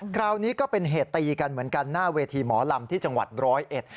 คราวนี้ก็เป็นเหตุตีกันเหมือนกันหน้าเวทีหมอลำที่จังหวัดร้อยเอ็ด